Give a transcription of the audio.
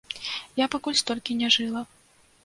Я пакуль столькі не жыла.